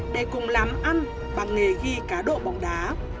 để cùng làm ăn bằng nghề ghi cá độ bóng đá